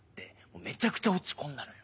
めちゃくちゃ落ち込んだのよ。